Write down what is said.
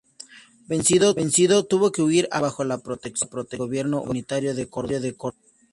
Vencido, tuvo que huir a ponerse bajo la protección del gobierno unitario de Córdoba.